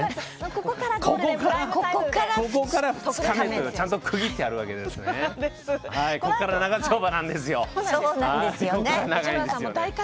ここから２日目と区切ってあるわけですね。